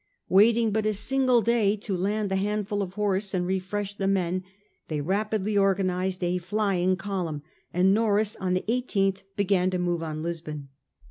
Waiting but a single day to land the handful of horse and refresh the men, they rapidly organised a flying column and Norreys on the 18th began to move on Lisbon.